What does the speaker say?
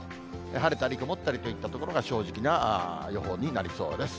晴れたり曇ったりといったところが正直な予報になりそうです。